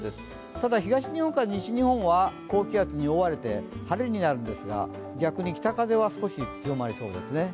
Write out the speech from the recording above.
ただ東日本から西日本は高気圧に覆われて晴れになるんですが、逆に北風は少し強まりそうですね。